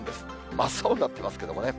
真っ青になってますけどね。